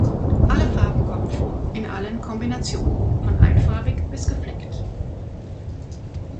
Alle Farben kommen vor, in allen Kombinationen: von einfarbig bis gefleckt.